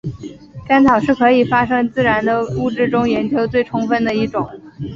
干草是可以发生自燃的物质中研究最充分的一种。